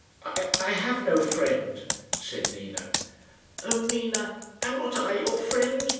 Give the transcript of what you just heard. "I have no friend," said Nina. "Oh, Nina, am not I your friend?